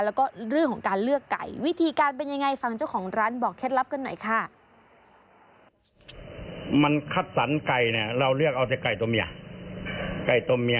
แล้วก็เรื่องของการเลือกไก่วิธีการเป็นยังไงฟังเจ้าของร้านบอกเคล็ดลับกันหน่อยค่ะ